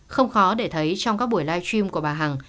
không khó để thấy trong các buổi live stream của bà hằng